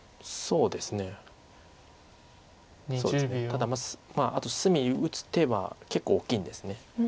ただあと隅打つ手は結構大きいんです。